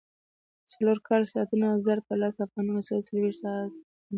څلور کاري ساعتونه ضرب په لس افغانۍ مساوي څلوېښت افغانۍ کېږي